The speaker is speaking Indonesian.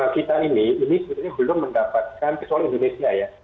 kita ini ini sebetulnya belum mendapatkan soal indonesia ya